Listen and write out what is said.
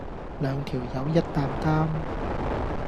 兩條友一擔擔